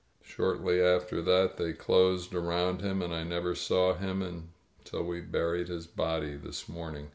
Shortly after that they closed around him, and I never saw him until we buried his body this morning.